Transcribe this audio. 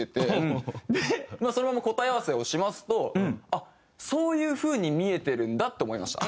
でそのまま答え合わせをしますとあっそういう風に見えてるんだって思いました。